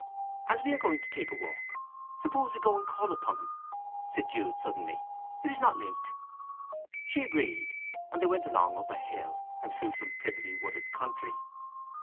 "As we are going to take a walk, suppose we go and call upon him?" said Jude suddenly. "It is not late." She agreed, and they went along up a hill, and through some prettily wooded country.